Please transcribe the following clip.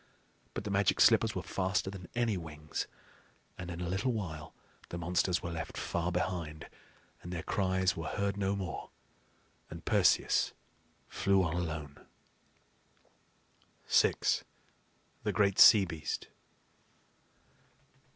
But the Magic Slippers were faster than any wings, and in a little while the monsters were left far behind, and their cries were heard no more; and Perseus flew on alone. VI. THE GREAT SEA BEAST.